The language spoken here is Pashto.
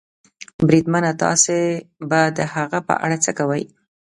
بریدمنه، تاسې به د هغه په اړه څه کوئ؟